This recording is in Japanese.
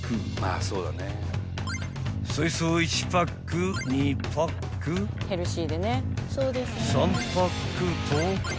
［そいつを１パック２パック３パックと］